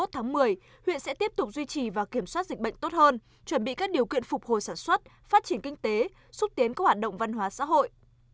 hai mươi tháng một mươi huyện sẽ tiếp tục duy trì và kiểm soát dịch bệnh tốt hơn chuẩn bị các điều kiện phục hồi sản xuất phát triển kinh tế xúc tiến các hoạt động văn hóa xã hội